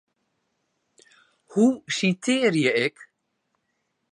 Hoe sitearje ik?